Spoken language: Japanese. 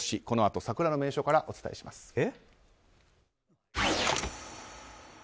このあと桜の名所からお伝えします。